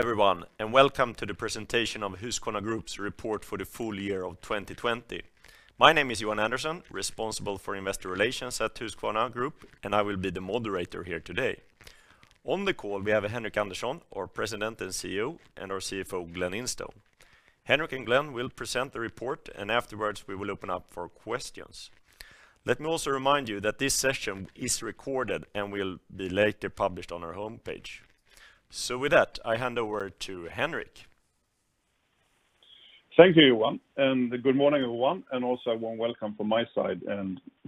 Everyone, welcome to the presentation of Husqvarna Group's report for the full year of 2020. My name is Johan Andersson, responsible for Investor Relations at Husqvarna Group. I will be the moderator here today. On the call, we have Henric Andersson, our President and CEO, and our CFO, Glen Instone. Henric and Glen will present the report. Afterwards, we will open up for questions. Let me also remind you that this session is recorded and will be later published on our homepage. With that, I hand over to Henric. Thank you, Johan. Good morning, everyone. A warm welcome from my side.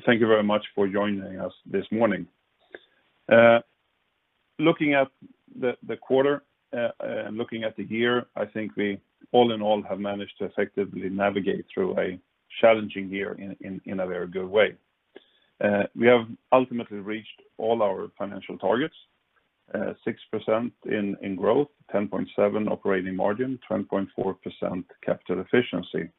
Thank you very much for joining us this morning. Looking at the quarter and looking at the year, I think we all in all have managed to effectively navigate through a challenging year in a very good way. We have ultimately reached all our financial targets, 6% in growth, 10.7% operating margin, 10.4% capital efficiency.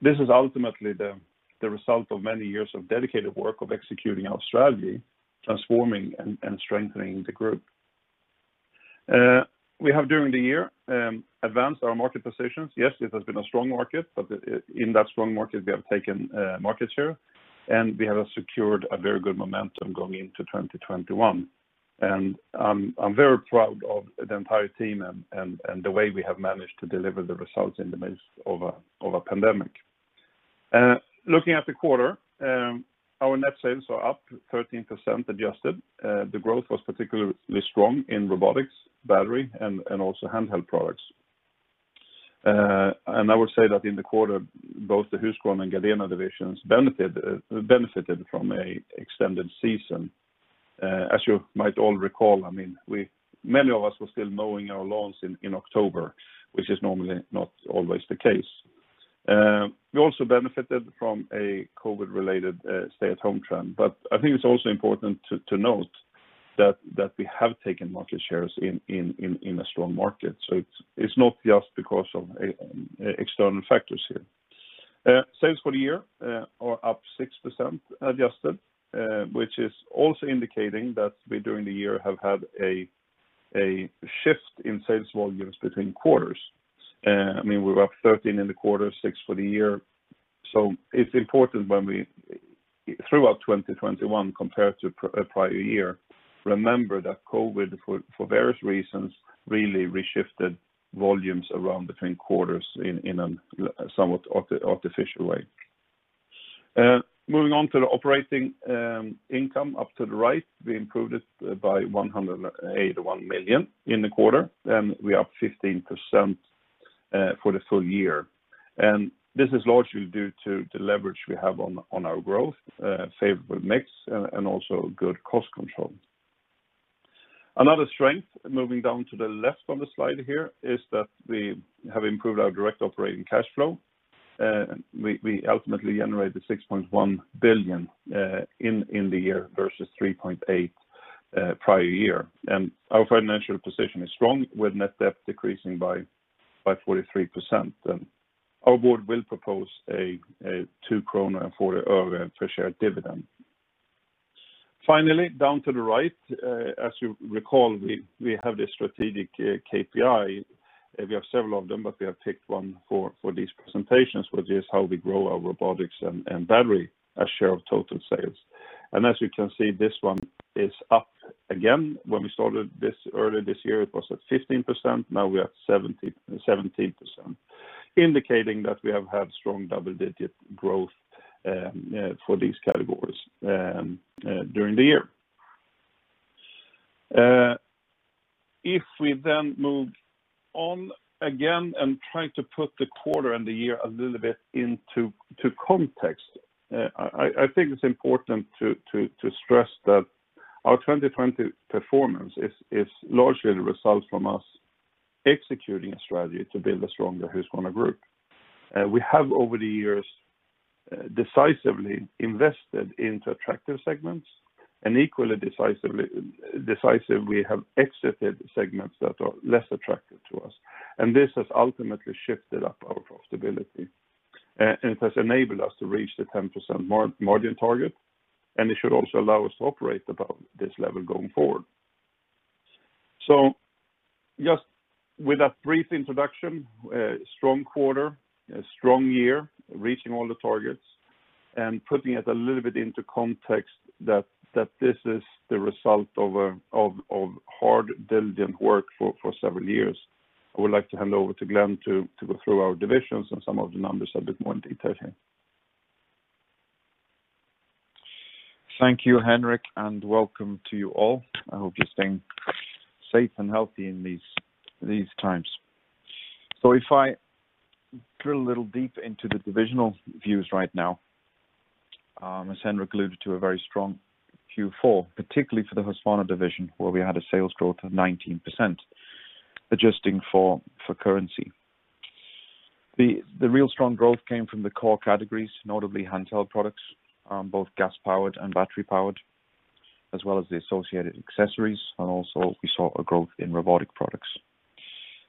This is ultimately the result of many years of dedicated work of executing our strategy, transforming and strengthening the group. We have during the year advanced our market positions. Yes, it has been a strong market, but in that strong market, we have taken market share, and we have secured a very good momentum going into 2021. I'm very proud of the entire team and the way we have managed to deliver the results in the midst of a pandemic. Looking at the quarter, our net sales are up 13% adjusted. The growth was particularly strong in robotics, battery, and also handheld products. I would say that in the quarter, both the Husqvarna and Gardena divisions benefited from an extended season. As you might all recall, many of us were still mowing our lawns in October, which is normally not always the case. We also benefited from a COVID-related stay-at-home trend, but I think it's also important to note that we have taken market shares in a strong market. It's not just because of external factors here. Sales for the year are up 6% adjusted, which is also indicating that we, during the year, have had a shift in sales volumes between quarters. We're up 13% in the quarter, 6% for the year. It's important when throughout 2021 compared to prior year, remember that COVID, for various reasons, really reshifted volumes around between quarters in a somewhat artificial way. Moving on to the operating income up to the right, we improved it by 181 million in the quarter, and we're up 15% for the full year. This is largely due to the leverage we have on our growth, favorable mix, and also good cost control. Another strength, moving down to the left on the slide here, is that we have improved our direct operating cash flow. We ultimately generated 6.1 billion in the year versus 3.8 billion prior year. Our financial position is strong with net debt decreasing by 43%. Our Board will propose a 2 kronor/share dividend. Finally, down to the right, as you recall, we have this strategic KPI. We have several of them, but we have picked one for these presentations, which is how we grow our robotics and battery as share of total sales. As you can see, this one is up again. When we started this earlier this year, it was at 15%. Now we are at 17%, indicating that we have had strong double-digit growth for these categories during the year. If we then move on again and try to put the quarter and the year a little bit into context, I think it's important to stress that our 2020 performance is largely the result from us executing a strategy to build a stronger Husqvarna Group. We have over the years decisively invested into attractive segments and equally decisive we have exited segments that are less attractive to us, and this has ultimately shifted up our profitability. It has enabled us to reach the 10% margin target, and it should also allow us to operate above this level going forward. Just with that brief introduction, strong quarter, strong year, reaching all the targets, and putting it a little bit into context that this is the result of hard, diligent work for several years. I would like to hand over to Glen to go through our divisions and some of the numbers a bit more in detail here. Thank you, Henric, and welcome to you all. I hope you're staying safe and healthy in these times. If I drill a little deep into the divisional views right now, as Henric alluded to, a very strong Q4, particularly for the Husqvarna Division, where we had a sales growth of 19%, adjusting for currency. The real strong growth came from the core categories, notably handheld products, both gas-powered and battery-powered, as well as the associated accessories, and also we saw a growth in robotic products.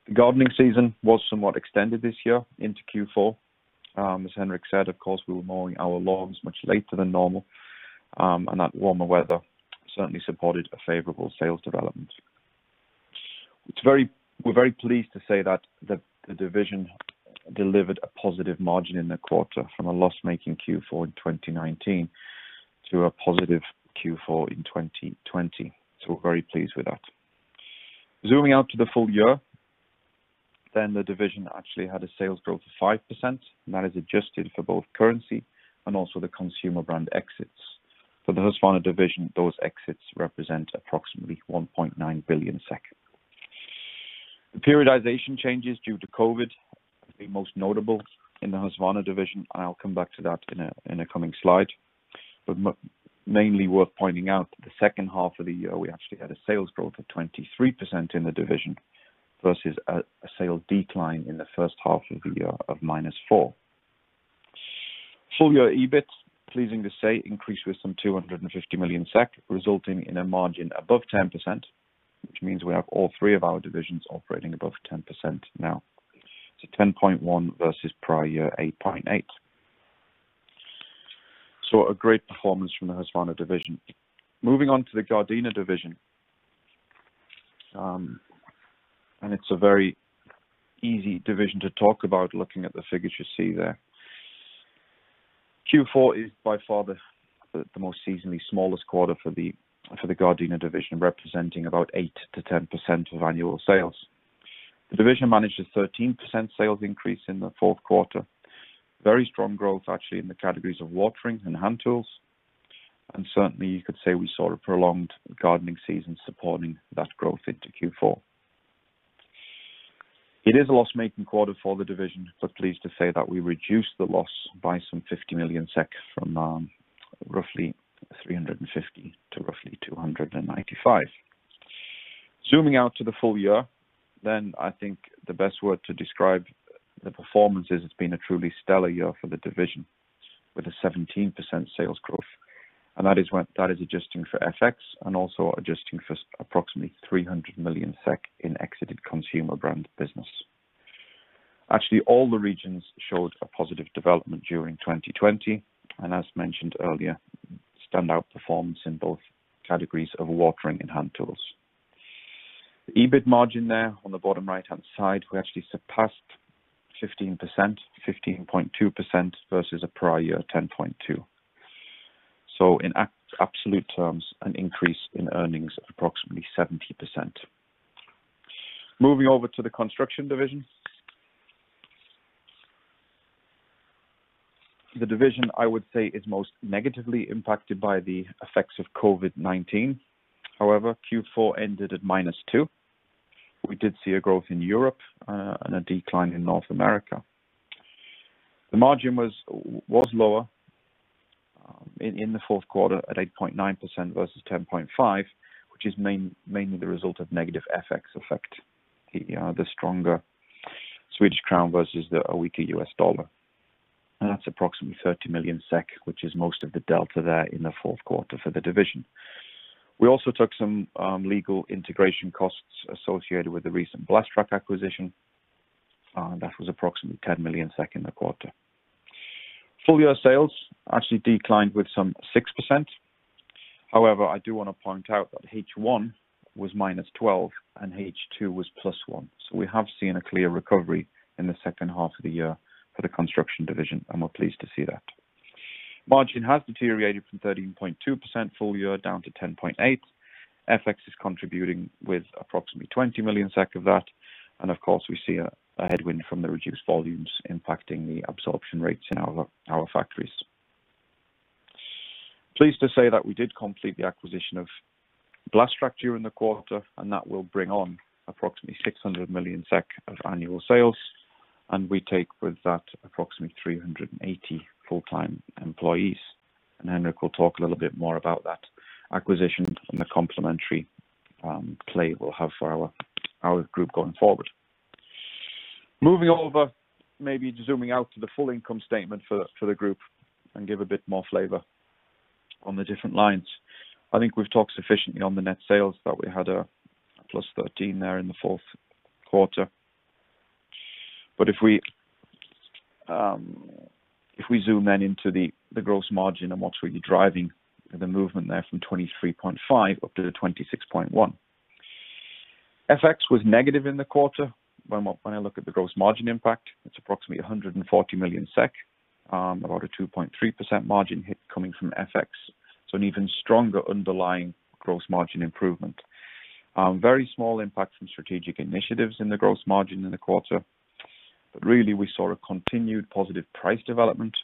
The gardening season was somewhat extended this year into Q4. As Henric said, of course, we were mowing our lawns much later than normal, that warmer weather certainly supported a favorable sales development. We're very pleased to say that the division delivered a positive margin in the quarter from a loss-making Q4 in 2019 to a positive Q4 in 2020. We're very pleased with that. Zooming out to the full year, the division actually had a sales growth of 5%, that is adjusted for both currency and also the consumer brand exits. For the Husqvarna Division, those exits represent approximately 1.9 billion. The periodization changes due to COVID would be most notable in the Husqvarna Division. I'll come back to that in a coming slide. Mainly worth pointing out, the second half of the year, we actually had a sales growth of 23% in the division versus a sales decline in the first half of the year of -4%. Full year EBIT, pleasing to say, increased with some 250 million SEK, resulting in a margin above 10%, which means we have all three of our divisions operating above 10% now. 10.1% versus prior year 8.8%. A great performance from the Husqvarna Division. Moving on to the Gardena Division. It's a very easy division to talk about looking at the figures you see there. Q4 is by far the most seasonally smallest quarter for the Gardena Division, representing about 8%-10% of annual sales. The division managed a 13% sales increase in the fourth quarter. Very strong growth actually in the categories of watering and hand tools. Certainly, you could say we saw a prolonged gardening season supporting that growth into Q4. It is a loss-making quarter for the division, but pleased to say that we reduced the loss by some 50 million SEK from roughly 350 million to roughly 295 million. Zooming out to the full year, then I think the best word to describe the performance is it's been a truly stellar year for the division with a 17% sales growth, and that is adjusting for FX and also adjusting for approximately 300 million SEK in exited consumer brand business. Actually, all the regions showed a positive development during 2020, and as mentioned earlier, standout performance in both categories of watering and hand tools. The EBIT margin there on the bottom right-hand side, we actually surpassed 15%, 15.2% versus a prior year 10.2%. In absolute terms, an increase in earnings of approximately 70%. Moving over to the Construction Division. The division, I would say, is most negatively impacted by the effects of COVID-19. Q4 ended at -2%. We did see a growth in Europe and a decline in North America. The margin was lower in the fourth quarter at 8.9% versus 10.5%, which is mainly the result of negative FX effect. The stronger Swedish crown versus the weaker U.S. dollar. That's approximately 30 million SEK, which is most of the delta there in the fourth quarter for the division. We also took some legal integration costs associated with the recent Blastrac acquisition. That was approximately 10 million in the quarter. Full-year sales actually declined with some 6%. I do want to point out that H1 was -12% and H2 was +1%. We have seen a clear recovery in the second half of the year for the Construction Division, and we're pleased to see that. Margin has deteriorated from 13.2% full year down to 10.8%. FX is contributing with approximately 20 million SEK of that, and of course, we see a headwind from the reduced volumes impacting the absorption rates in our factories. Pleased to say that we did complete the acquisition of Blastrac during the quarter, and that will bring on approximately 600 million SEK of annual sales, and we take with that approximately 380 full-time employees. Henric will talk a little bit more about that acquisition and the complementary play we'll have for our group going forward. Moving over, maybe zooming out to the full income statement for the group and give a bit more flavor on the different lines. I think we've talked sufficiently on the net sales that we had a +13% there in the fourth quarter. If we zoom then into the gross margin and what's really driving the movement there from 23.5% up to the 26.1%. FX was negative in the quarter. When I look at the gross margin impact, it's approximately 140 million SEK, about a 2.3% margin hit coming from FX. An even stronger underlying gross margin improvement. Very small impact from strategic initiatives in the gross margin in the quarter. Really we saw a continued positive price development,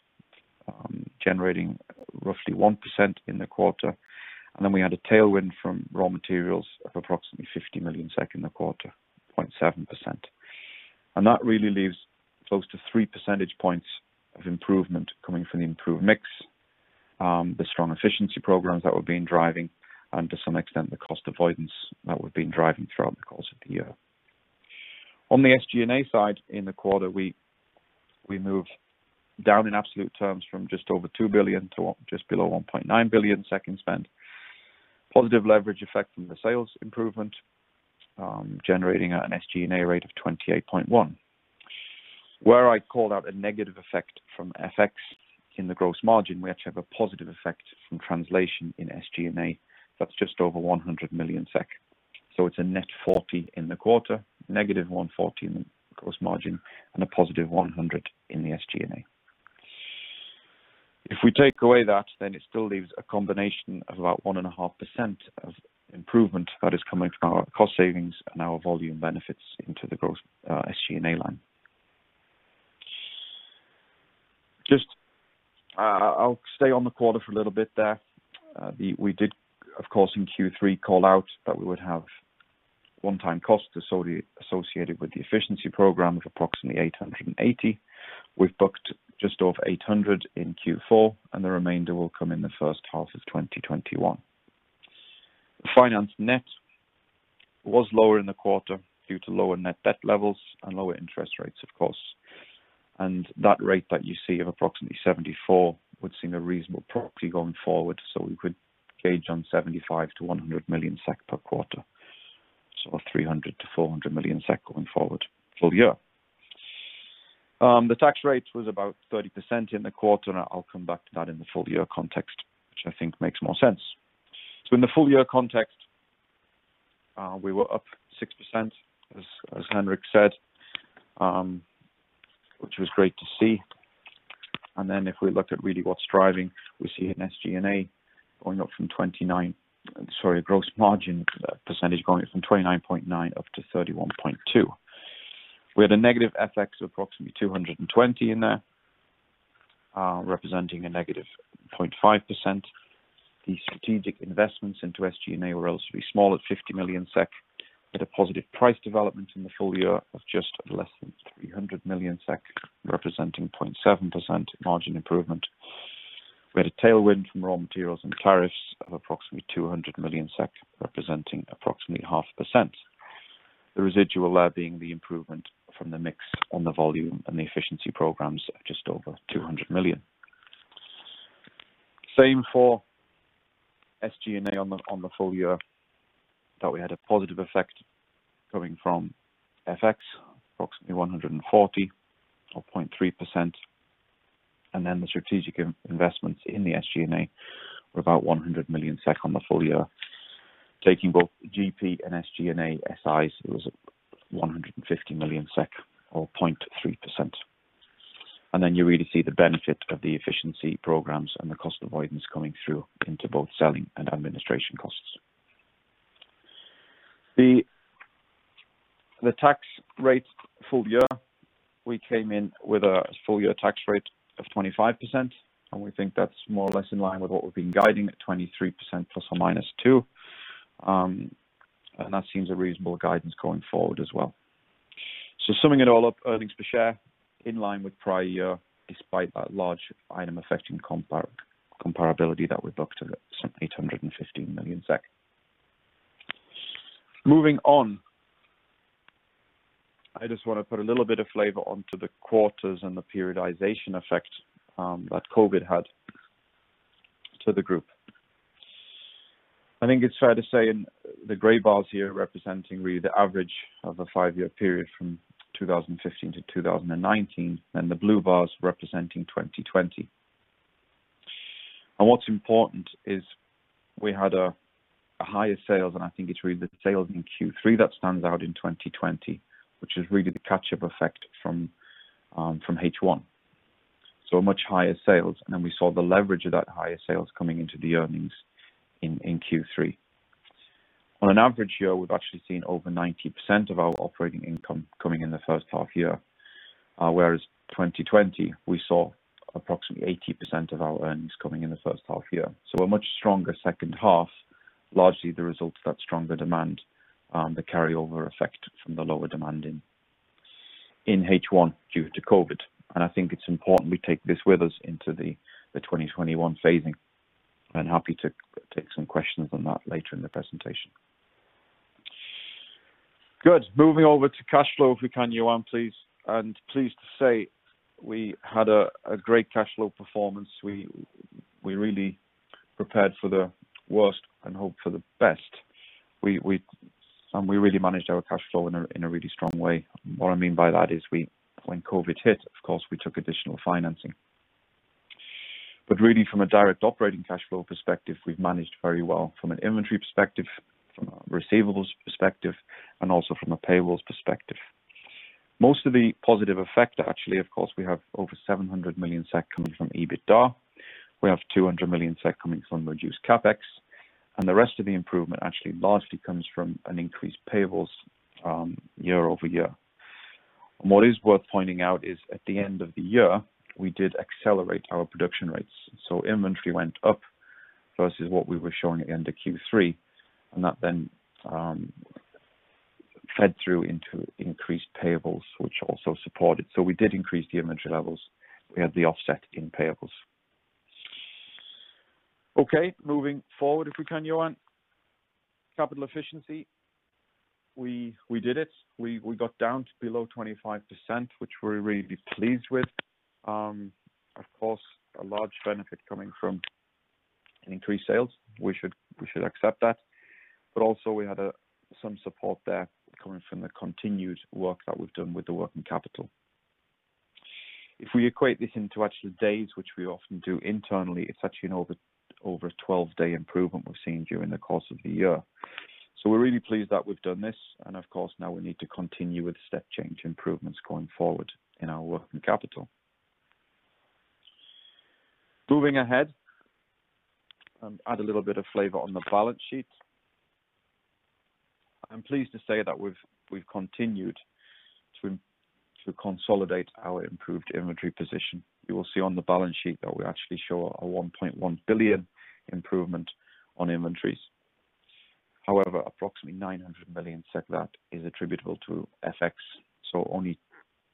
generating roughly 1% in the quarter. Then we had a tailwind from raw materials of approximately 50 million SEK in the quarter, 0.7%. That really leaves close to three percentage points of improvement coming from the improved mix, the strong efficiency programs that we’ve been driving, and to some extent, the cost avoidance that we’ve been driving throughout the course of the year. On the SG&A side in the quarter, we moved down in absolute terms from just over 2 billion to just below 1.9 billion spent. Positive leverage effect from the sales improvement, generating an SG&A rate of 28.1%. Where I called out a negative effect from FX in the gross margin, we actually have a positive effect from translation in SG&A that’s just over 100 million SEK. It’s a net 40 million in the quarter, -140 million in the gross margin, and a +100 million in the SG&A. If we take away that, it still leaves a combination of about 1.5% of improvement that is coming from our cost savings and our volume benefits into the gross SG&A line. I'll stay on the quarter for a little bit there. We did, of course, in Q3 call out that we would have one-time costs associated with the efficiency program of approximately 880 million. We've booked just off 800 million in Q4, and the remainder will come in the first half of 2021. Finance net was lower in the quarter due to lower net debt levels and lower interest rates, of course. That rate that you see of approximately 74 would seem a reasonable proxy going forward, so we could gauge on 75 million-100 million SEK per quarter. 300 million-400 million SEK going forward full year. The tax rate was about 30% in the quarter, and I'll come back to that in the full-year context, which I think makes more sense. In the full-year context, we were up 6%, as Henric said, which was great to see. If we looked at really what's driving we see in SG&A going up from 29%. Sorry, a gross margin percentage going from 29.9% up to 31.2%. We had a negative FX of approximately 220 million in there, representing a -0.5%. The strategic investments into SG&A were relatively small at 50 million SEK, with a positive price development in the full year of just less than 300 million SEK, representing 0.7% margin improvement. We had a tailwind from raw materials and tariffs of approximately 200 million SEK, representing approximately 0.5%. The residual there being the improvement from the mix on the volume and the efficiency programs of just over 200 million. Same for SG&A on the full year, we had a positive effect coming from FX, approximately 140 million or 0.3%. The strategic investments in the SG&A were about 100 million SEK on the full year. Taking both the GP and SG&A SIs, it was 150 million SEK or 0.3%. You really see the benefit of the efficiency programs and the cost avoidance coming through into both selling and administration costs. The tax rate full year, we came in with a full-year tax rate of 25%. We think that's more or less in line with what we've been guiding at 23%, ±2%. That seems a reasonable guidance going forward as well. Summing it all up, earnings per share in line with prior year, despite that large item affecting comparability that we booked at 815 million SEK. Moving on, I just want to put a little bit of flavor onto the quarters and the periodization effect that COVID had to the group. I think it's fair to say in the gray bars here representing really the average of a five-year period from 2015 to 2019, and the blue bars representing 2020. What's important is we had a higher sales, and I think it's really the sales in Q3 that stands out in 2020, which is really the catch-up effect from H1. Much higher sales, and then we saw the leverage of that higher sales coming into the earnings in Q3. On an average year, we've actually seen over 90% of our operating income coming in the first half year. Whereas 2020, we saw approximately 80% of our earnings coming in the first half year. A much stronger second half, largely the result of that stronger demand, the carryover effect from the lower demand in H1 due to COVID. I think it's important we take this with us into the 2021 phasing. I'm happy to take some questions on that later in the presentation. Good. Moving over to cash flow, if we can, Johan, please. Pleased to say we had a great cash flow performance. We really prepared for the worst and hoped for the best. We really managed our cash flow in a really strong way. What I mean by that is when COVID hit, of course, we took additional financing. Really from a direct operating cash flow perspective, we've managed very well from an inventory perspective, from a receivables perspective, and also from a payables perspective. Most of the positive effect, actually, of course, we have over 700 million SEK coming from EBITDA. We have 200 million SEK coming from reduced CapEx, and the rest of the improvement actually largely comes from an increased payables year-over-year. What is worth pointing out is at the end of the year, we did accelerate our production rates. Inventory went up versus what we were showing at the end of Q3, and that then fed through into increased payables, which also supported. We did increase the inventory levels. We had the offset in payables. Okay. Moving forward, if we can, Johan. Capital efficiency. We did it. We got down to below 25%, which we're really pleased with. Of course, a large benefit coming from an increased sales. We should accept that. Also we had some support there coming from the continued work that we've done with the working capital. If we equate this into actual days, which we often do internally, it's actually an over a 12-day improvement we've seen during the course of the year. We're really pleased that we've done this, and of course, now we need to continue with step change improvements going forward in our working capital. Moving ahead, add a little bit of flavor on the balance sheet. I'm pleased to say that we've continued to consolidate our improved inventory position. You will see on the balance sheet that we actually show a 1.1 billion improvement on inventories. However, approximately 900 million SEK of that is attributable to FX, only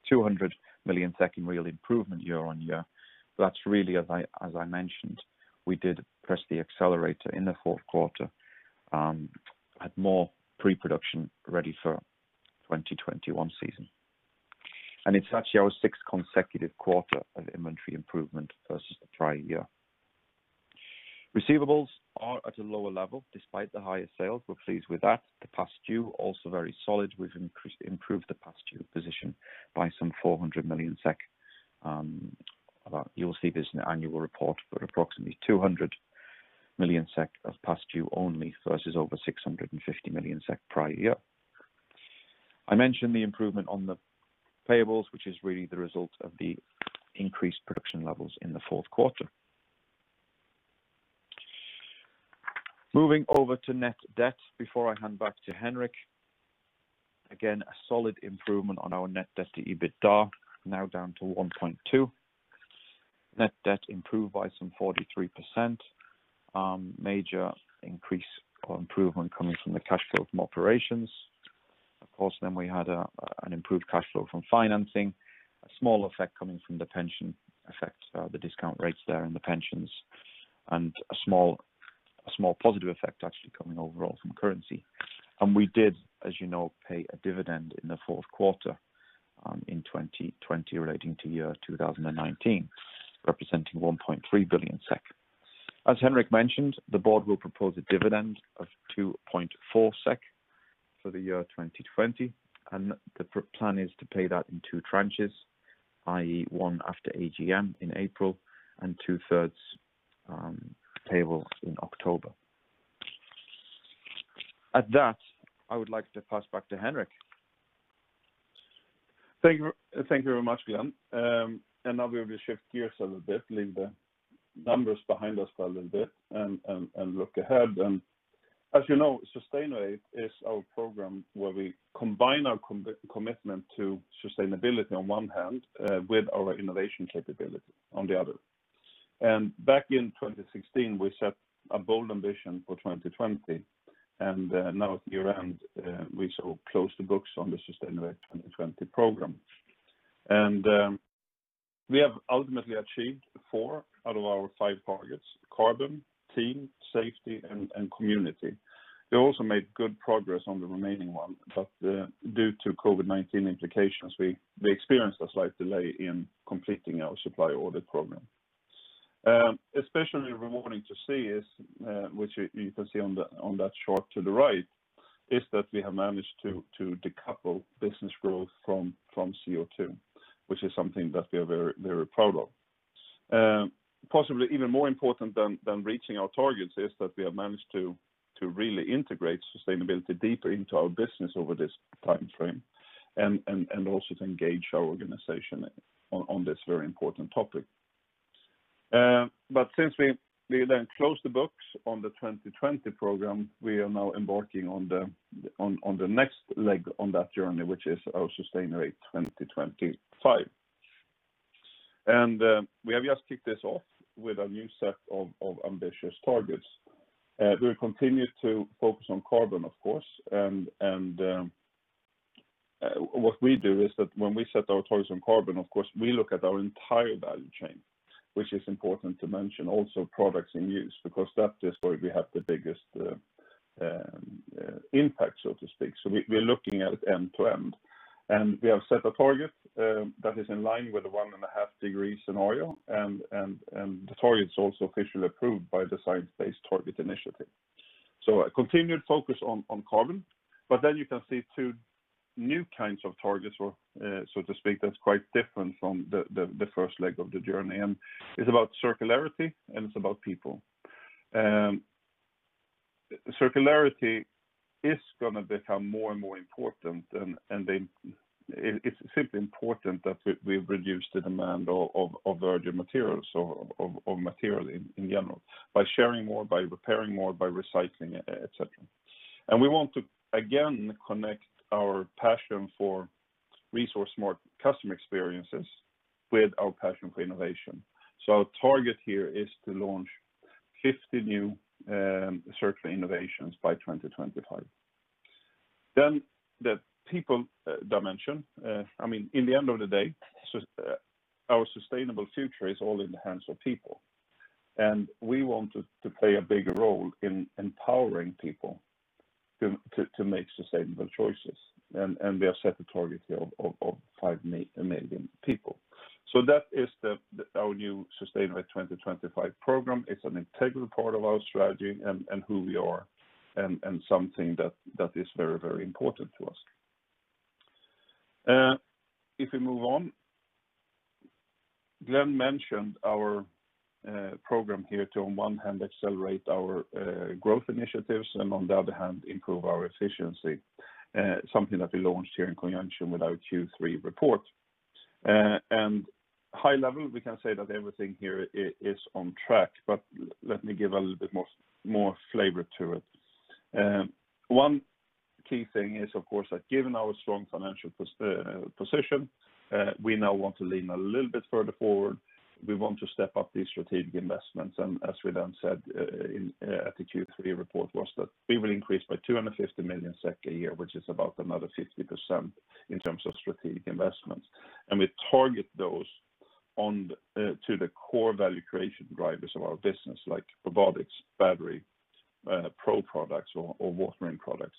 200 million SEK in real improvement year-on-year. That's really, as I mentioned, we did press the accelerator in the fourth quarter, had more pre-production ready for 2021 season. It's actually our sixth consecutive quarter of inventory improvement versus the prior year. Receivables are at a lower level despite the higher sales. We're pleased with that. The past due, also very solid. We've improved the past due position by some 400 million SEK. You will see this in the annual report, but approximately 200 million SEK of past due only versus over 650 million SEK prior year. I mentioned the improvement on the payables, which is really the result of the increased production levels in the fourth quarter. Moving over to net debt before I hand back to Henric. Again, a solid improvement on our net debt to EBITDA, now down to 1.2x. Net debt improved by some 43%. Major increase or improvement coming from the cash flow from operations. Of course, we had an improved cash flow from financing, a small effect coming from the pension effect, the discount rates there in the pensions, and a small positive effect actually coming overall from currency. We did, as you know, pay a dividend in the fourth quarter, in 2020 relating to year 2019, representing 1.3 billion SEK. As Henric mentioned, the Board will propose a dividend of 2.4 SEK for the year 2020, the plan is to pay that in two tranches, i.e., one after AGM in April and 2/3 payable in October. At that, I would like to pass back to Henric. Thank you very much, Glen. Now we will shift gears a little bit, leave the numbers behind us for a little bit and look ahead. As you know, Sustainovate is our program where we combine our commitment to sustainability on one hand with our innovation capability on the other. Back in 2016, we set a bold ambition for 2020, and now at year-end, we close the books on the Sustainovate 2020 program. We have ultimately achieved four out of our five targets: carbon, team, safety, and community. We also made good progress on the remaining one, but due to COVID-19 implications, we experienced a slight delay in completing our supply order program. Especially rewarding to see is, which you can see on that chart to the right, is that we have managed to decouple business growth from CO2, which is something that we are very proud of. Possibly even more important than reaching our targets is that we have managed to really integrate sustainability deeper into our business over this timeframe, and also to engage our organization on this very important topic. Since we then closed the books on the 2020 program, we are now embarking on the next leg on that journey, which is our Sustainovate 2025. We have just kicked this off with a new set of ambitious targets. We will continue to focus on carbon, of course. What we do is that when we set our targets on carbon, of course, we look at our entire value chain, which is important to mention also products in use, because that is where we have the biggest impact, so to speak. We are looking at end to end. We have set a target that is in line with the one and a half degrees scenario, and the target is also officially approved by the Science Based Targets Initiative. A continued focus on carbon, but then you can see two new kinds of targets, so to speak, that is quite different from the first leg of the journey. It is about circularity and it is about people. Circularity is going to become more and more important, and it's simply important that we reduce the demand of virgin materials or of material in general by sharing more, by repairing more, by recycling, et cetera. We want to again connect our passion for resource-smart customer experiences with our passion for innovation. Our target here is to launch 50 new circular innovations by 2025. The people dimension, in the end of the day, our sustainable future is all in the hands of people. And we want to play a bigger role in empowering people to make sustainable choices, and we have set a target here of 5 million people. That is our new Sustainovate 2025 program. It's an integral part of our strategy and who we are, and something that is very important to us. If we move on, Glen mentioned our program here to, on one hand, accelerate our growth initiatives and on the other hand, improve our efficiency. Something that we launched here in conjunction with our Q3 report. High level, we can say that everything here is on track, but let me give a little bit more flavor to it. One key thing is, of course, that given our strong financial position, we now want to lean a little bit further forward. We want to step up these strategic investments, and as we then said at the Q3 report was that we will increase by 250 million SEK a year, which is about another 50% in terms of strategic investments. We target those to the core value creation drivers of our business like robotics, battery, pro products, or watering products.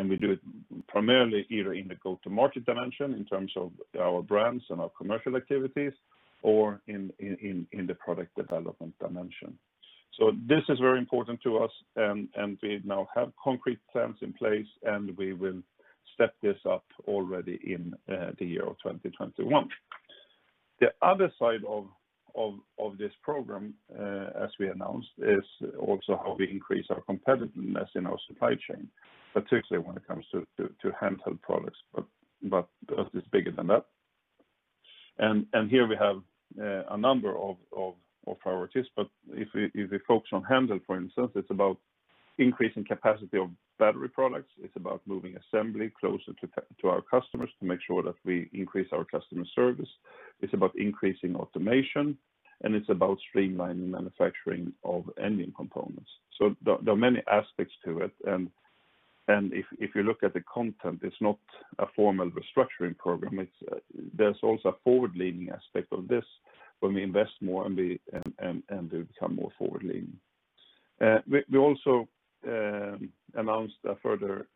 We do it primarily either in the go-to-market dimension in terms of our brands and our commercial activities or in the product development dimension. This is very important to us, and we now have concrete plans in place, and we will set this up already in the year 2021. The other side of this program, as we announced, is also how we increase our competitiveness in our supply chain, particularly when it comes to handheld products, but it is bigger than that. Here we have a number of priorities, but if we focus on handheld, for instance, it's about increasing capacity of battery products. It's about moving assembly closer to our customers to make sure that we increase our customer service. It's about increasing automation, and it's about streamlining manufacturing of engine components. There are many aspects to it, and if you look at the content, it's not a formal restructuring program. There's also a forward-leaning aspect of this when we invest more and we become more forward-leaning. We also announced a further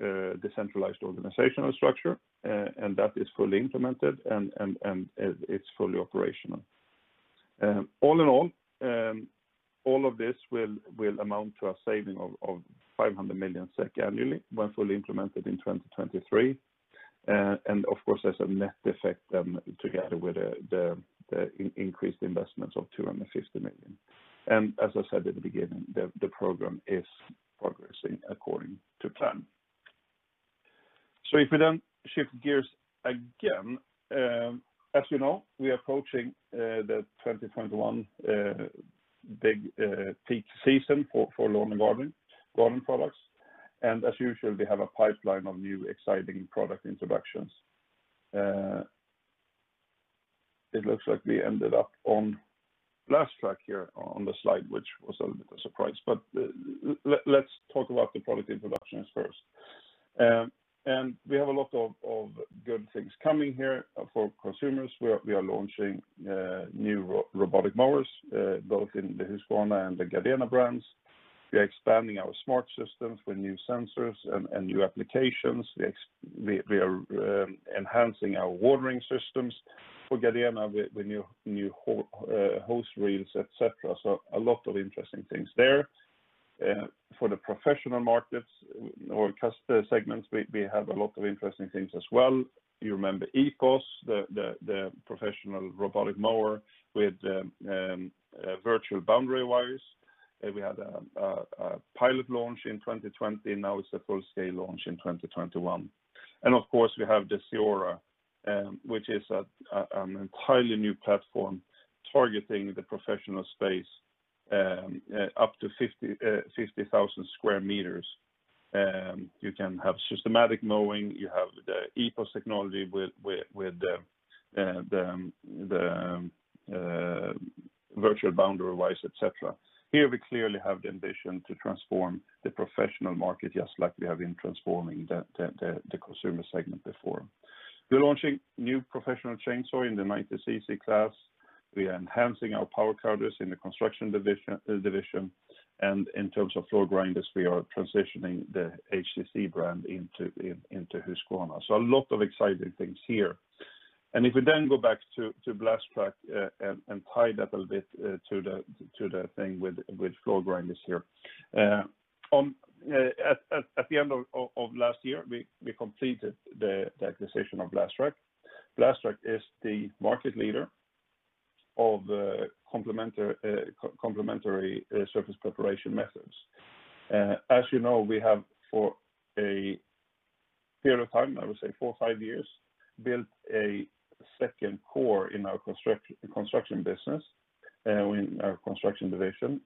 decentralized organizational structure, and that is fully implemented, and it's fully operational. All in all of this will amount to a saving of 500 million SEK annually when fully implemented in 2023. Of course, there's a net effect then together with the increased investments of 250 million. As I said at the beginning, the program is progressing according to plan. If we then shift gears again, as you know, we are approaching the 2021 big peak season for lawn and garden products. As usual, we have a pipeline of new exciting product introductions. It looks like we ended up on Blastrac here on the slide, which was a little bit of a surprise, but let's talk about the product introductions first. We have a lot of good things coming here for consumers. We are launching new robotic mowers both in the Husqvarna and the Gardena brands. We are expanding our smart systems with new sensors and new applications. We are enhancing our watering systems for Gardena with new hose reels, et cetera. A lot of interesting things there. For the professional markets or customer segments, we have a lot of interesting things as well. You remember EPOS, the professional robotic mower with virtual boundary wires. We had a pilot launch in 2020. Now it's a full-scale launch in 2021. Of course, we have the CEORA, which is an entirely new platform targeting the professional space up to 50,000 sq m. You can have systematic mowing. You have the EPOS technology with the virtual boundary wires, et cetera. Here we clearly have the ambition to transform the professional market, just like we have been transforming the consumer segment before. We're launching new professional chainsaw in the 90cc class. We are enhancing our power cutters in the Construction Division, and in terms of floor grinders, we are transitioning the HTC brand into Husqvarna. A lot of exciting things here. If we go back to Blastrac and tie that a little bit to the thing with floor grinders here. At the end of last year, we completed the acquisition of Blastrac. Blastrac is the market leader of complementary surface preparation methods. As you know, we have for a period of time, I would say four, five years, built a second core in our construction business, in our Construction Division,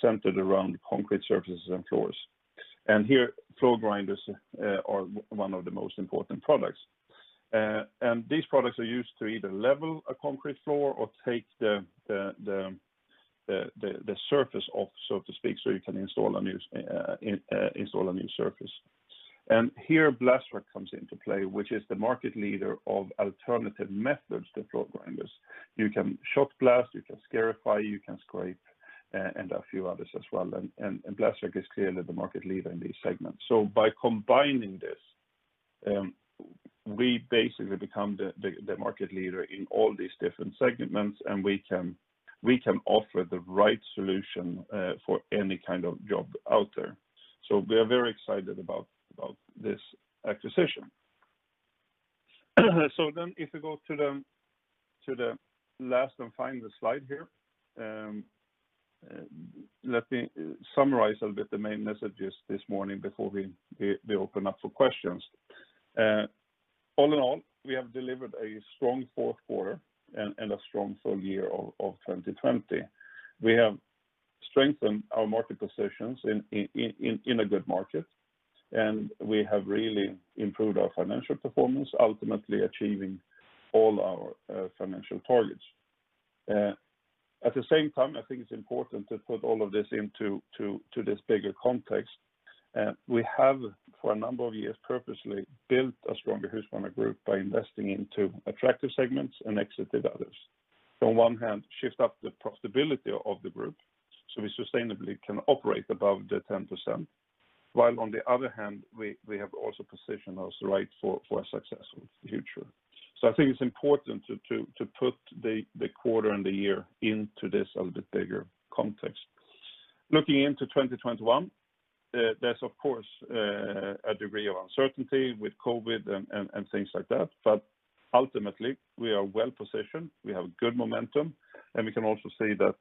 centered around concrete surfaces and floors. Here, floor grinders are one of the most important products. These products are used to either level a concrete floor or take the surface off, so to speak, so you can install a new surface. Here, Blastrac comes into play, which is the market leader of alternative methods to floor grinders. You can shot blast, you can scarify, you can scrape, and a few others as well. Blastrac is clearly the market leader in these segments. By combining this, we basically become the market leader in all these different segments, and we can offer the right solution for any kind of job out there. We are very excited about this acquisition. If we go to the last and final slide here, let me summarize a little bit the main messages this morning before we open up for questions. All in all, we have delivered a strong fourth quarter and a strong full year of 2020. We have strengthened our market positions in a good market, and we have really improved our financial performance, ultimately achieving all our financial targets. At the same time, I think it's important to put all of this into this bigger context. We have, for a number of years, purposely built a stronger Husqvarna Group by investing into attractive segments and exited others. On one hand, shift up the profitability of the group so we sustainably can operate above the 10%, while on the other hand, we have also positioned us right for a successful future. I think it's important to put the quarter and the year into this a little bit bigger context. Looking into 2021, there's of course a degree of uncertainty with COVID and things like that, but ultimately, we are well positioned. We have good momentum, and we can also see that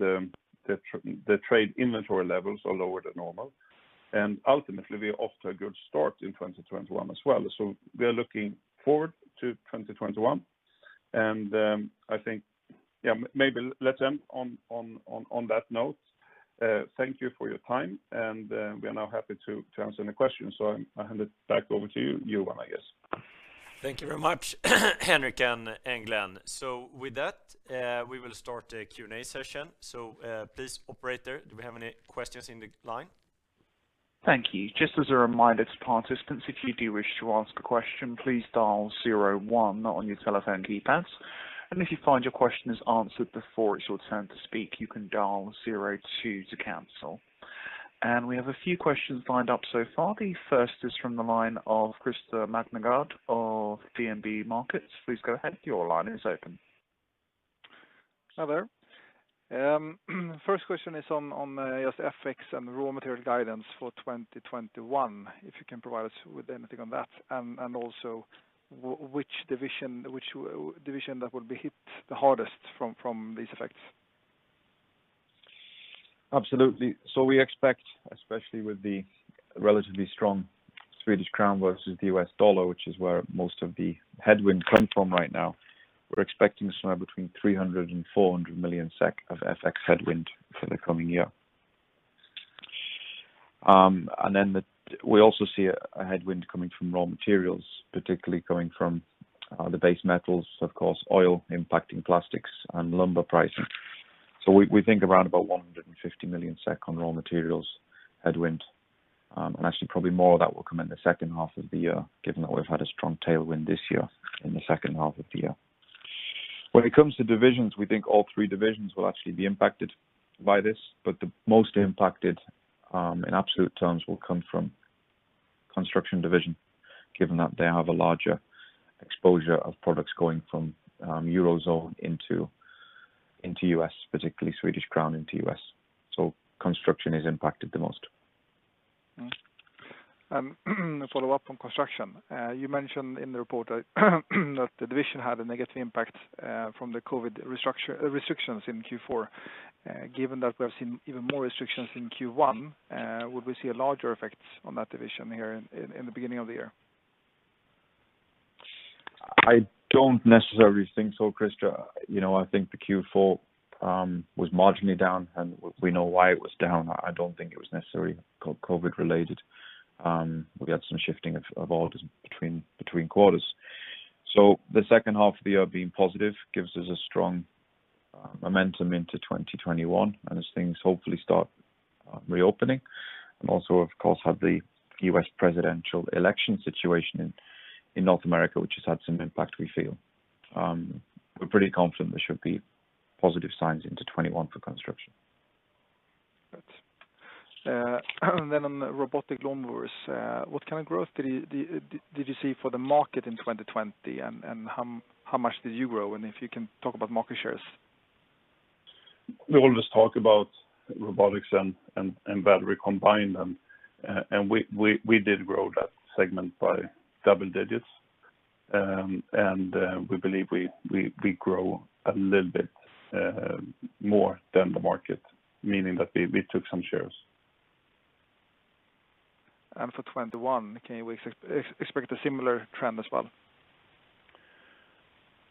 the trade inventory levels are lower than normal, and ultimately, we are off to a good start in 2021 as well. We are looking forward to 2021, and I think, maybe let's end on that note. Thank you for your time, and we are now happy to answer any questions. I hand it back over to you, Johan, I guess. Thank you very much, Henric and Glen. With that, we will start the Q&A session. Please, Operator, do we have any questions in the line? Thank you. Just as a reminder to participants, if you do wish to ask a question, please dial zero one on your telephone keypads, and if you find your question is answered before it's your turn to speak, you can dial zero two to cancel. We have a few questions lined up so far. The first is from the line of Christer Magnergård of DNB Markets. Please go ahead. Your line is open. Hello. First question is on FX and raw material guidance for 2021, if you can provide us with anything on that, and also which division that will be hit the hardest from these effects? Absolutely. We expect, especially with the relatively strong Swedish crown versus the U.S. dollar, which is where most of the headwind comes from right now. We're expecting somewhere between 300 million-400 million SEK of FX headwind for the coming year. We also see a headwind coming from raw materials, particularly coming from the base metals, of course, oil impacting plastics, and lumber pricing. We think around about 150 million SEK on raw materials headwind. Actually probably more of that will come in the second half of the year, given that we've had a strong tailwind this year in the second half of the year. When it comes to divisions, we think all three divisions will actually be impacted by this, but the most impacted, in absolute terms, will come from Construction Division, given that they have a larger exposure of products going from Eurozone into U.S., particularly Swedish crown into U.S. Construction Division is impacted the most. A follow-up from Construction. You mentioned in the report that the division had a negative impact from the COVID restrictions in Q4. Given that we have seen even more restrictions in Q1, would we see a larger effect on that division here in the beginning of the year? I don't necessarily think so, Christer. I think the Q4 was marginally down, and we know why it was down. I don't think it was necessarily COVID related. We had some shifting of orders between quarters. The second half of the year being positive gives us a strong momentum into 2021, and as things hopefully start reopening. Also, of course, have the U.S. presidential election situation in North America, which has had some impact, we feel. We're pretty confident there should be positive signs into 2021 for construction. Good. On the robotic lawnmowers, what kind of growth did you see for the market in 2020, and how much did you grow? If you can talk about market shares? We always talk about robotics and battery combined. We did grow that segment by double digits. We believe we grow a little bit more than the market, meaning that we took some shares. For 2021, can we expect a similar trend as well?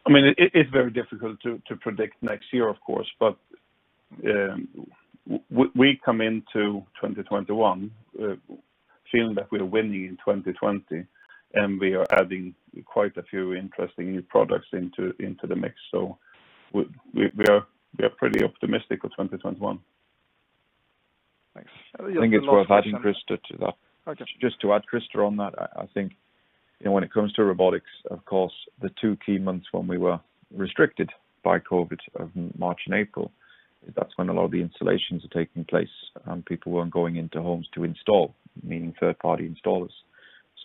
It's very difficult to predict next year, of course, but we come into 2021 feeling that we're winning in 2020, and we are adding quite a few interesting new products into the mix. We are pretty optimistic of 2021. Thanks. I think it's worth adding Christer to that- Okay. Just to add, Christer, on that, I think when it comes to robotics, of course, the two key months when we were restricted by COVID, March and April, that's when a lot of the installations are taking place, and people weren't going into homes to install, meaning third-party installers.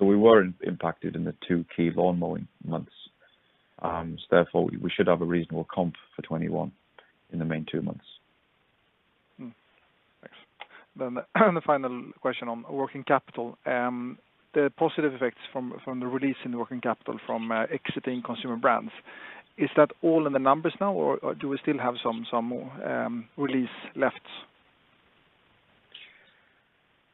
We were impacted in the two key lawnmowing months. Therefore, we should have a reasonable comp for 2021 in the main two months. Thanks. The final question on working capital. The positive effects from the release in working capital from exiting consumer brands, is that all in the numbers now, or do we still have some more release left?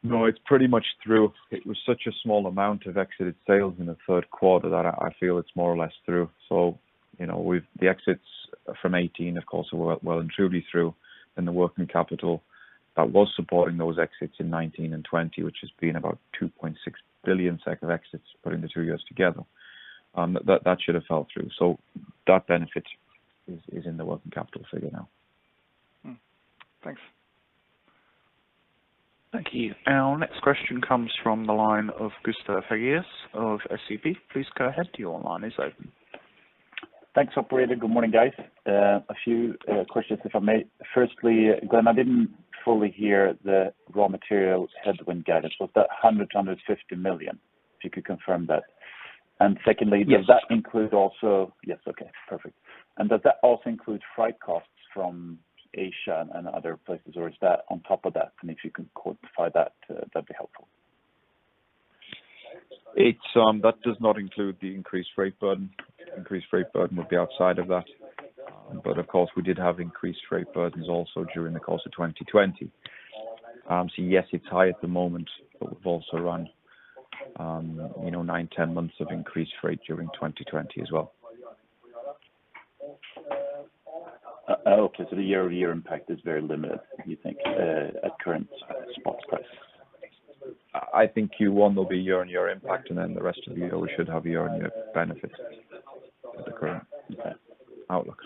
No, it's pretty much through. It was such a small amount of exited sales in the third quarter that I feel it's more or less through. With the exits from 2018, of course, were well and truly through, and the working capital that was supporting those exits in 2019 and 2020, which has been about 2.6 billion SEK of exits putting the two years together, that should have fell through. That benefit is in the working capital figure now. Thanks. Thank you. Our next question comes from the line of Gustav Hagéus of SEB. Please go ahead. Your line is open. Thanks, Operator. Good morning, guys. A few questions, if I may. Firstly, Glen, I didn't fully hear the raw material headwind guidance. Was that 100 million-150 million? If you could confirm that. Secondly. Yes. Yes, okay, perfect. Does that also include freight costs from Asia and other places, or is that on top of that? If you could quantify that'd be helpful. That does not include the increased freight burden. Increased freight burden would be outside of that. Of course, we did have increased freight burdens also during the course of 2020. Yes, it's high at the moment, but we've also run nine, 10 months of increased freight during 2020 as well. Okay. The year-over-year impact is very limited, you think, at current spot price? I think Q1 will be year-on-year impact, and then the rest of the year, we should have year-on-year benefits at the current outlook.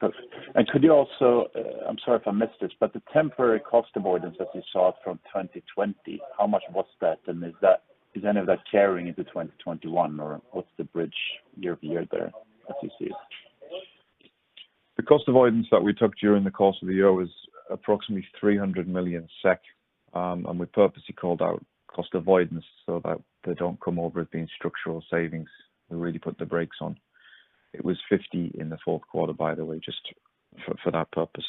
Perfect. Could you also, I'm sorry if I missed this, the temporary cost avoidance that you saw from 2020, how much was that, and is any of that carrying into 2021, or what's the bridge year-over-year there as you see it? The cost avoidance that we took during the course of the year was approximately 300 million SEK, we purposely called out cost avoidance so that they don't come over as being structural savings. We really put the brakes on. It was 50 million in the fourth quarter, by the way, just for that purpose.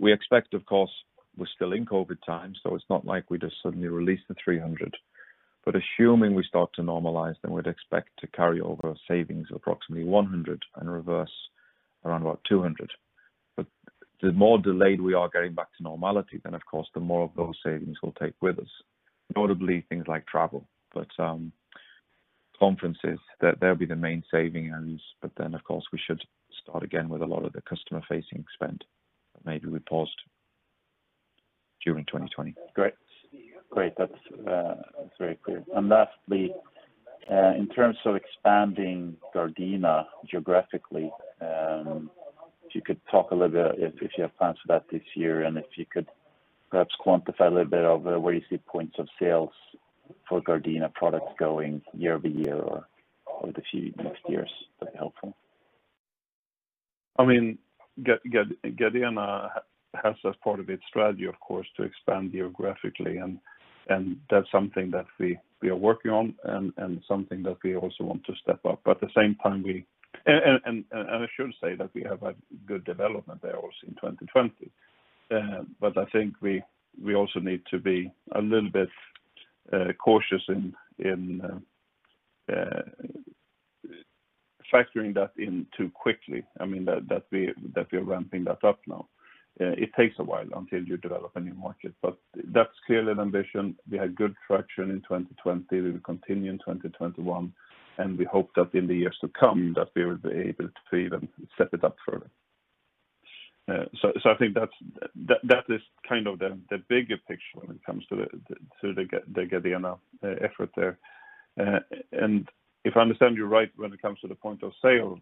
We expect, of course, we're still in COVID times, it's not like we just suddenly release the 300 million. Assuming we start to normalize, then we'd expect to carry over savings approximately 100 million and reverse around about 200 million. The more delayed we are getting back to normality, then of course, the more of those savings we'll take with us, notably things like travel, but conferences, they'll be the main savings. Then, of course, we should start again with a lot of the customer-facing spend that maybe we paused during 2020. Great. That's very clear. Lastly, in terms of expanding Gardena geographically, if you could talk a little bit if you have plans for that this year and if you could perhaps quantify a little bit of where you see points of sales for Gardena products going year-over-year or the few next years, that'd be helpful. Gardena has as part of its strategy, of course, to expand geographically, and that's something that we are working on and something that we also want to step up. At the same time, I should say that we have had good development there also in 2020. I think we also need to be a little bit cautious in factoring that in too quickly, that we're ramping that up now. It takes a while until you develop a new market, but that's clearly an ambition. We had good traction in 2020, we will continue in 2021, and we hope that in the years to come that we will be able to even set it up further. I think that is kind of the bigger picture when it comes to the Gardena effort there. If I understand you right when it comes to the point of sale,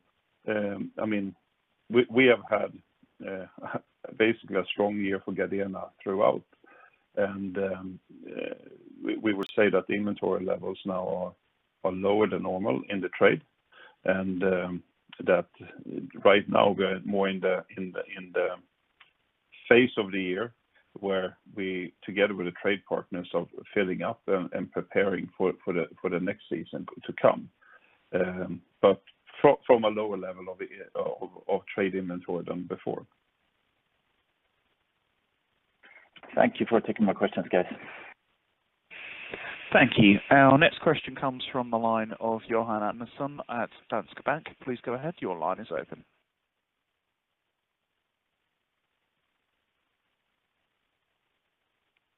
we have had basically a strong year for Gardena throughout, and we would say that the inventory levels now are lower than normal in the trade, and that right now we're more in the phase of the year where we, together with the trade partners, are filling up and preparing for the next season to come, but from a lower level of trade inventory than before. Thank you for taking my questions, guys. Thank you. Our next question comes from the line of Johan Andersson at Danske Bank. Please go ahead. Your line is open.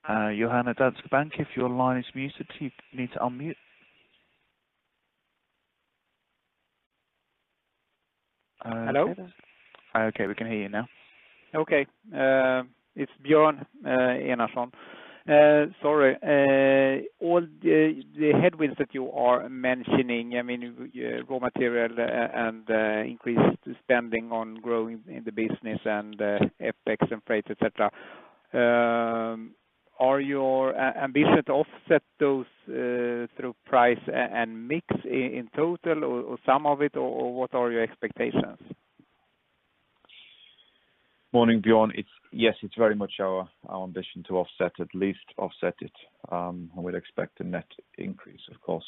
Johan of Danske Bank, if your line is muted, can you please unmute? Hello? Okay, we can hear you now. Okay. It's Björn Enarson. Sorry. All the headwinds that you are mentioning, raw material and increased spending on growing in the business and FX and freight, et cetera, are your ambition to offset those through price and mix in total or some of it, or what are your expectations? Morning, Björn. Yes, it's very much our ambition to offset, at least offset it, and we'd expect a net increase, of course.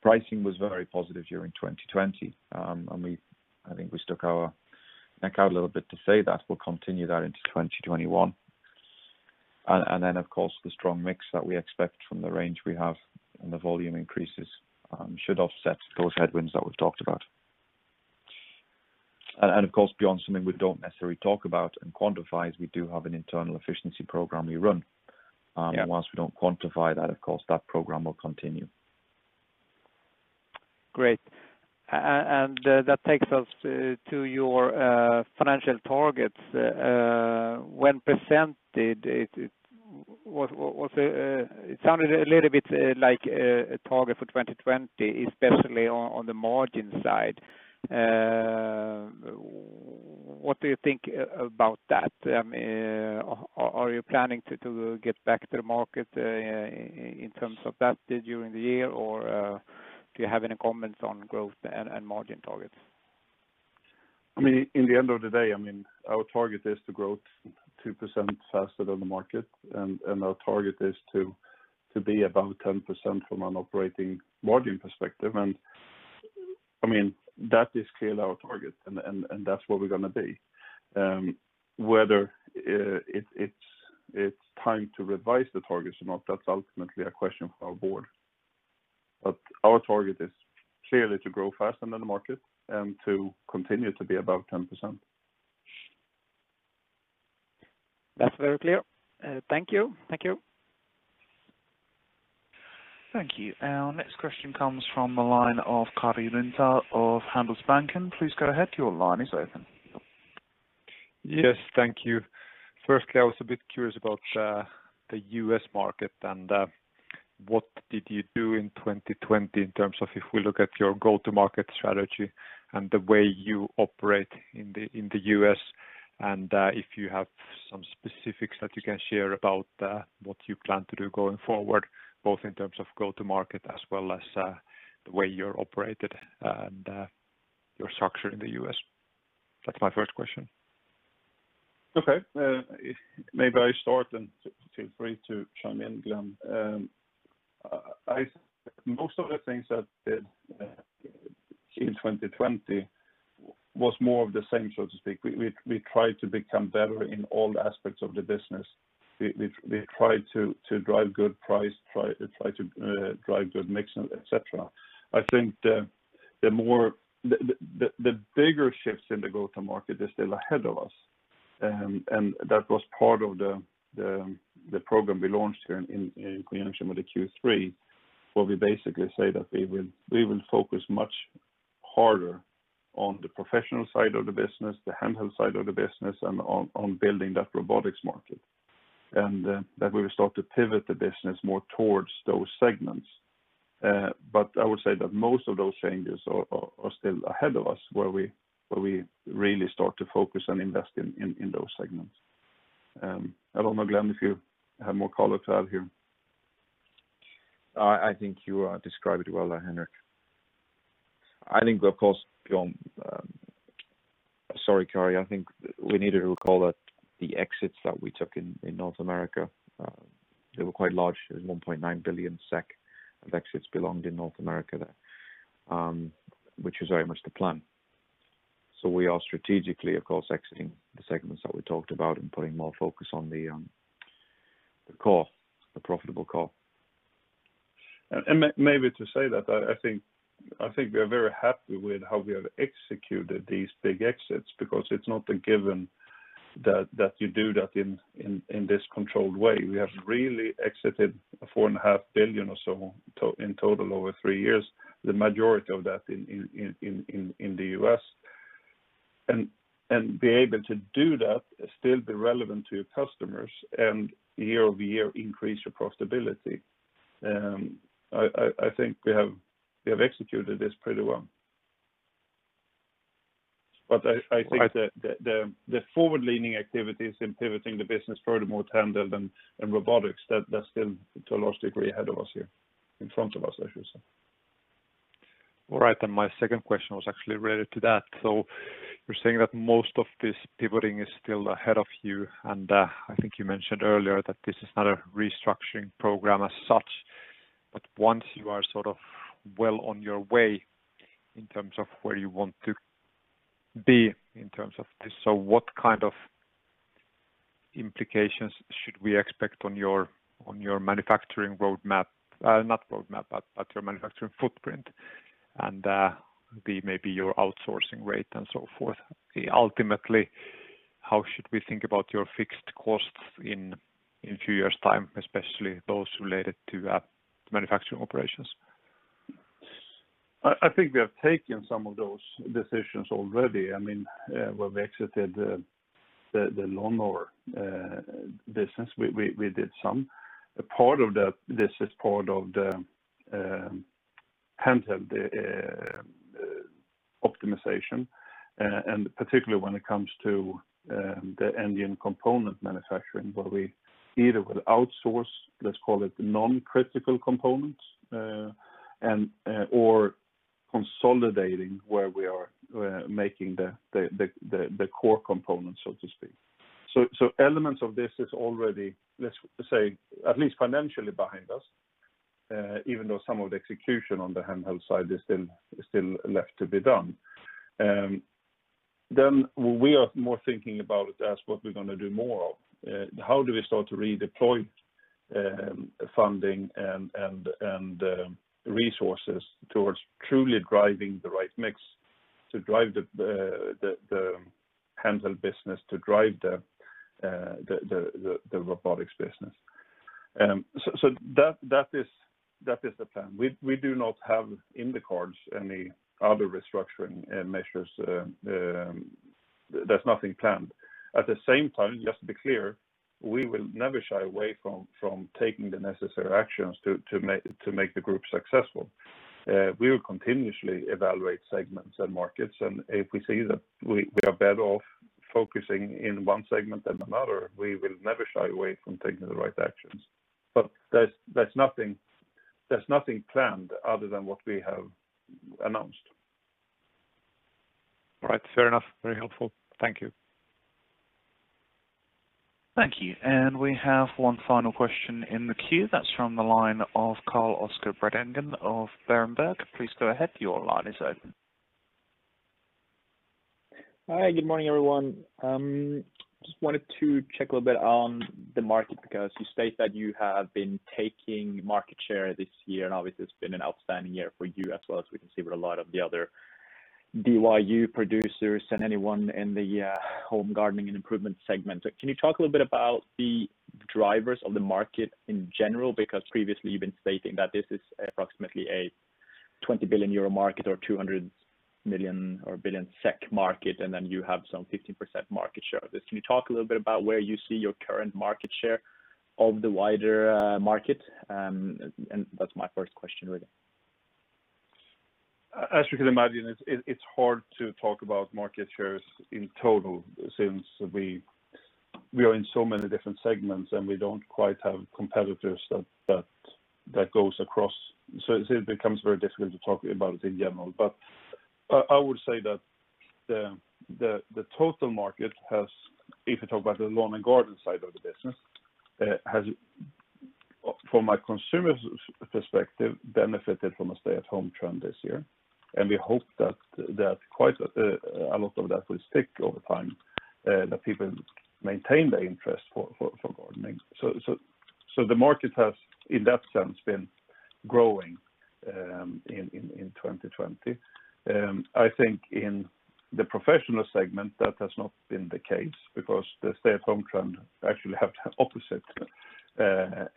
Pricing was very positive during 2020. I think we stuck our neck out a little bit to say that we'll continue that into 2021. Of course, the strong mix that we expect from the range we have and the volume increases should offset those headwinds that we've talked about. Of course, Björn, something we don't necessarily talk about and quantify is we do have an internal efficiency program we run. Yeah. While we don't quantify that, of course, that program will continue. Great. That takes us to your financial targets. When presented, it sounded a little bit like a target for 2020, especially on the margin side. What do you think about that? Are you planning to get back to the market in terms of that during the year, or do you have any comments on growth and margin targets? In the end of the day, our target is to grow 2% faster than the market, and our target is to be above 10% from an operating margin perspective. That is clearly our target, and that's what we're going to be. Whether it's time to revise the targets or not, that's ultimately a question for our Board. Our target is clearly to grow faster than the market and to continue to be above 10%. That's very clear. Thank you. Thank you. Our next question comes from the line of Karri Rinta of Handelsbanken. Please go ahead. Your line is open. Yes. Thank you. Firstly, I was a bit curious about the U.S. market and what did you do in 2020 in terms of if we look at your go-to market strategy and the way you operate in the U.S., and if you have some specifics that you can share about what you plan to do going forward, both in terms of go to market as well as the way you're operated and your structure in the U.S. That's my first question. Okay. Maybe I start, and feel free to chime in, Glen. Most of the things that did in 2020 was more of the same, so to speak. We tried to become better in all aspects of the business. We tried to drive good price, tried to drive good mix, et cetera. I think the bigger shifts in the go-to market are still ahead of us, and that was part of the program we launched here in connection with the Q3, where we basically say that we will focus much harder on the professional side of the business, the handheld side of the business, and on building that robotics market, and that we will start to pivot the business more towards those segments. I would say that most of those changes are still ahead of us, where we really start to focus on investing in those segments. I don't know, Glen, if you have more color to add here. I think you described it well there, Henric. I think, of course, Björn, sorry, Karri. I think we needed to recall that the exits that we took in North America, they were quite large. It was 1.9 billion SEK of exits belonged in North America there, which was very much the plan. We are strategically, of course, exiting the segments that we talked about and putting more focus on the core, the profitable core. Maybe to say that, I think we are very happy with how we have executed these big exits, because it's not a given that you do that in this controlled way. We have really exited 4.5 billion or so in total over three years, the majority of that in the U.S. Be able to do that, still be relevant to your customers, and year-over-year increase your profitability, I think we have executed this pretty well. I think that the forward-leaning activities in pivoting the business further towards handheld and robotics, that's still to a large degree ahead of us here, in front of us, I should say. All right. My second question was actually related to that. You're saying that most of this pivoting is still ahead of you, I think you mentioned earlier that this is not a restructuring program as such. Once you are well on your way in terms of where you want to be in terms of this, so what kind of implications should we expect on your manufacturing roadmap? Not roadmap, but your manufacturing footprint and maybe your outsourcing rate and so forth? Ultimately, how should we think about your fixed costs in a few years' time, especially those related to manufacturing operations? I think we have taken some of those decisions already. When we exited the lawnmower business, we did some. This is part of the handheld optimization, particularly when it comes to the end-to-end component manufacturing, where we either will outsource, let's call it the non-critical components, or consolidating where we are making the core components, so to speak. Elements of this is already, let's say, at least financially behind us, even though some of the execution on the handheld side is still left to be done. We are more thinking about it as what we're going to do more of. How do we start to redeploy funding and resources towards truly driving the right mix to drive the handheld business, to drive the robotics business? That is the plan. We do not have in the cards any other restructuring measures. There's nothing planned. At the same time, just to be clear, we will never shy away from taking the necessary actions to make the group successful. We will continuously evaluate segments and markets, and if we see that we are better off focusing in one segment than another, we will never shy away from taking the right actions. There's nothing planned other than what we have announced. Right. Fair enough. Very helpful. Thank you. Thank you. We have one final question in the queue. That's from the line of Carl-Oscar Bredengen of Berenberg. Please go ahead. Your line is open. Hi, good morning, everyone. Just wanted to check a little bit on the market because you state that you have been taking market share this year, and obviously it's been an outstanding year for you as well as we can see with a lot of the other DIY producers and anyone in the home gardening and improvement segment. Can you talk a little bit about the drivers of the market in general? Previously you've been stating that this is approximately a 20 billion euro market or 200 million or billion market, and then you have some 15% market share of this. Can you talk a little bit about where you see your current market share of the wider market? That's my first question, really. As you can imagine, it's hard to talk about market shares in total since we are in so many different segments, and we don't quite have competitors that goes across. It becomes very difficult to talk about in general. I would say that the total market has, if you talk about the lawn and garden side of the business, from a consumer perspective, benefited from a stay at home trend this year. We hope that quite a lot of that will stick over time, that people maintain the interest for gardening. The market has, in that sense, been growing in 2020. I think in the professional segment, that has not been the case because the stay at home trend actually have the opposite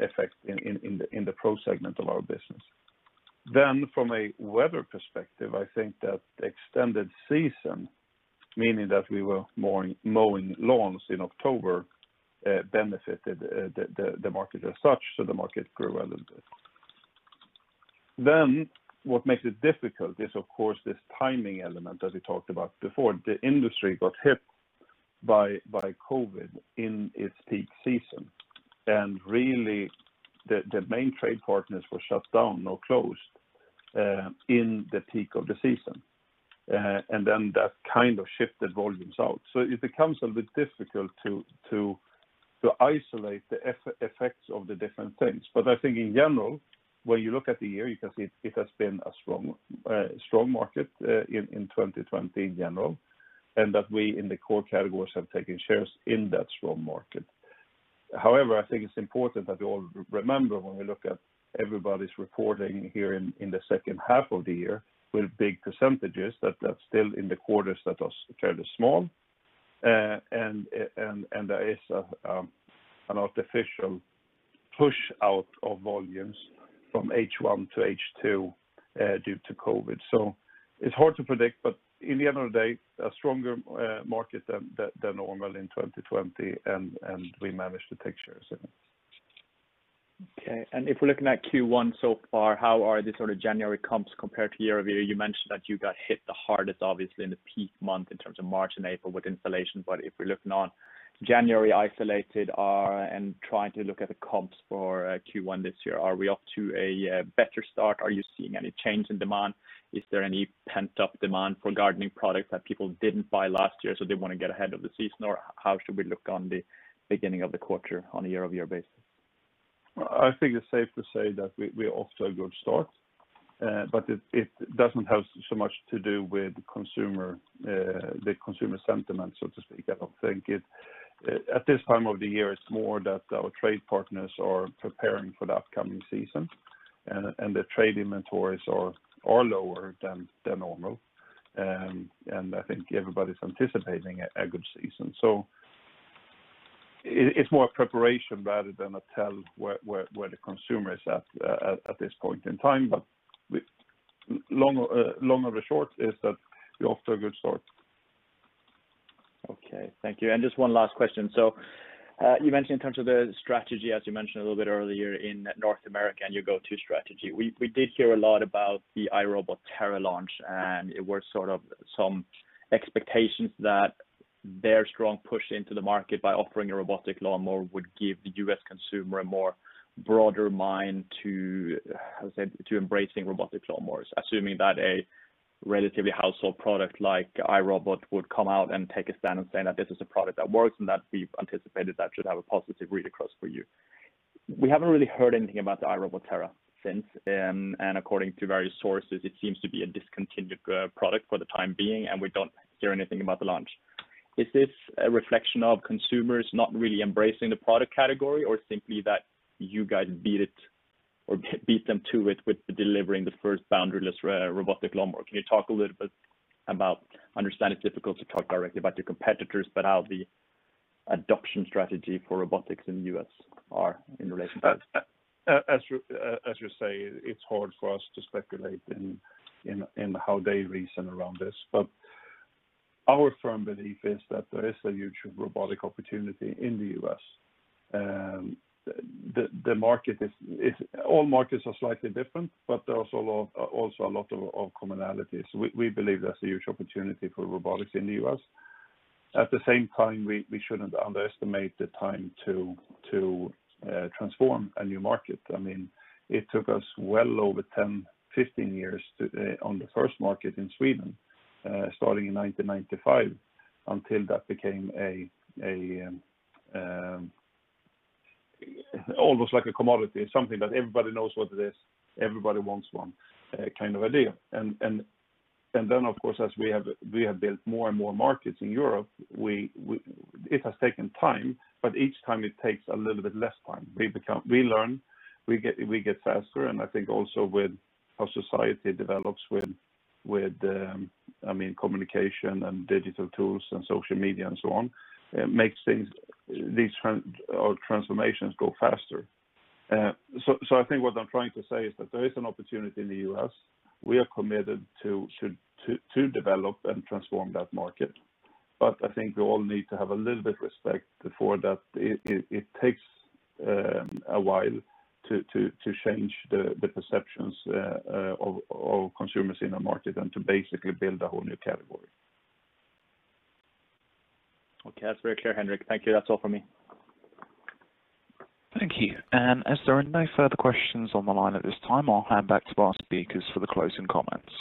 effect in the pro segment of our business. From a weather perspective, I think that the extended season, meaning that we were mowing lawns in October, benefited the market as such, so the market grew a little bit. What makes it difficult is, of course, this timing element that we talked about before. The industry got hit by COVID in its peak season. Really, the main trade partners were shut down or closed in the peak of the season. That shifted volumes out. It becomes a bit difficult to isolate the effects of the different things. I think in general, when you look at the year, you can see it has been a strong market in 2020 in general, and that we in the core categories have taken shares in that strong market. I think it's important that we all remember when we look at everybody's reporting here in the second half of the year with big percentages, that that's still in the quarters that was fairly small. There is an artificial push out of volumes from H1 to H2 due to COVID. It's hard to predict, but in the end of the day, a stronger market than normal in 2020, and we managed to take shares in it. Okay. If we're looking at Q1 so far, how are the January comps compared to year-over-year? You mentioned that you got hit the hardest, obviously, in the peak month in terms of March and April with installation. If we're looking on January isolated and trying to look at the comps for Q1 this year, are we off to a better start? Are you seeing any change in demand? Is there any pent-up demand for gardening products that people didn't buy last year, so they want to get ahead of the season? How should we look on the beginning of the quarter on a year-over-year basis? I think it's safe to say that we're off to a good start, but it doesn't have so much to do with the consumer sentiment, so to speak. I think at this time of the year, it's more that our trade partners are preparing for the upcoming season, and the trade inventories are lower than normal. I think everybody's anticipating a good season. It's more a preparation rather than a tell where the consumer is at this point in time. Long of the short is that we're off to a good start. Okay. Thank you. Just one last question. You mentioned in terms of the strategy, as you mentioned a little bit earlier in North America and your go-to strategy. We did hear a lot about the iRobot Terra launch, and it was some expectations that their strong push into the market by offering a robotic lawnmower would give the U.S. consumer a more broader mind to embracing robotic lawnmowers. Assuming that a relatively household product like iRobot would come out and take a stand and say that this is a product that works and that we've anticipated that should have a positive read-across for you. We haven't really heard anything about the iRobot Terra since, and according to various sources, it seems to be a discontinued product for the time being, and we don't hear anything about the launch. Is this a reflection of consumers not really embracing the product category or simply that you guys beat them to it with delivering the first boundaryless robotic lawnmower? Can you talk a little bit about, I understand it's difficult to talk directly about your competitors, but how the adoption strategy for robotics in the U.S. are in relation to that? As you say, it's hard for us to speculate in how they reason around this. Our firm belief is that there is a huge robotic opportunity in the U.S. All markets are slightly different, but there are also a lot of commonalities. We believe there's a huge opportunity for robotics in the U.S. At the same time, we shouldn't underestimate the time to transform a new market. It took us well over 10, 15 years on the first market in Sweden, starting in 1995, until that became almost like a commodity, something that everybody knows what it is, everybody wants one kind of idea. Of course, as we have built more and more markets in Europe, it has taken time, but each time it takes a little bit less time. We learn, we get faster, and I think also with how society develops with communication and digital tools and social media and so on, it makes these transformations go faster. I think what I'm trying to say is that there is an opportunity in the U.S. We are committed to develop and transform that market. I think we all need to have a little bit of respect for that it takes a while to change the perceptions of consumers in a market and to basically build a whole new category. Okay. That's very clear, Henric. Thank you. That's all from me. Thank you. As there are no further questions on the line at this time, I'll hand back to our speakers for the closing comments.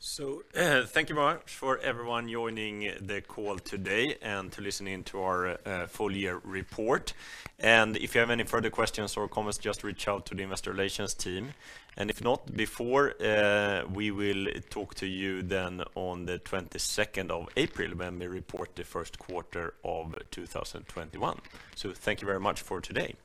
Thank you very much for everyone joining the call today and to listening to our full year report. If you have any further questions or comments, just reach out to the Investor Relations team. If not, before we will talk to you then on the 22nd of April, when we report the first quarter of 2021. Thank you very much for today.